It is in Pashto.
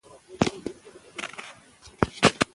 که لاره ورکه شي، نښه لټو.